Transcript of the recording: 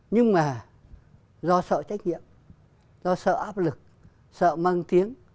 nhưng mà do sợ trách nhiệm do sợ áp lực sợ mang tiếng